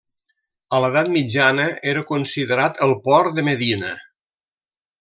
A l'edat mitjana era considerat el port de Medina.